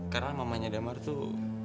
karena mamanya damar tuh